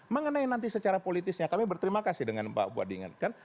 mengenai nanti secara politisnya kami berterima kasih dengan pak buat diingatkan